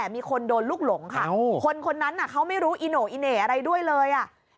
มีคนโดนลูกหลงค่ะคนคนนั้นเขาไม่รู้อีโน่อีเหน่อะไรด้วยเลย